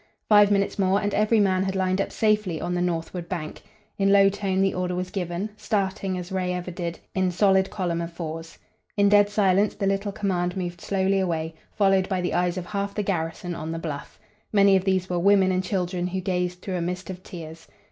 Five minutes more and every man had lined up safely on the northward bank. In low tone the order was given, starting as Ray ever did, in solid column of fours. In dead silence the little command moved slowly away, followed by the eyes of half the garrison on the bluff. Many of these were women and children, who gazed through a mist of tears.